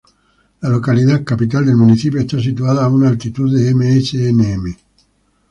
La localidad capital del municipio está situada a una altitud de msnm.